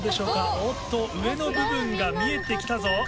おっと上の部分が見えて来たぞ。